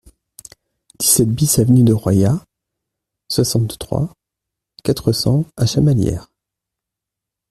dix-sept BIS avenue de Royat, soixante-trois, quatre cents à Chamalières